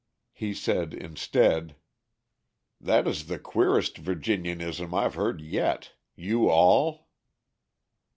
He said instead: "That is the queerest Virginianism I've heard yet 'you all.'"